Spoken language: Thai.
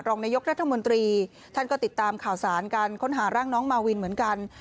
รองนายกรัฐมนตรีท่านก็ติดตามข่าวสารการค้นหาร่างน้องมาวินเหมือนกัน